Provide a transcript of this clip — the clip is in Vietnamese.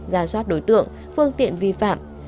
ra soát đối tượng phương tiện vi phạm